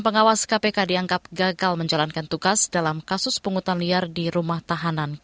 pertama kali kita berkahwin